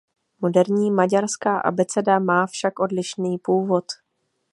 Moderní maďarská abeceda má však odlišný původ.